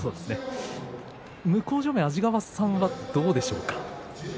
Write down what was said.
向正面の安治川さんはどうですか。